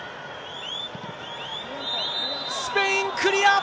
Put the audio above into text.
スペイン、クリア。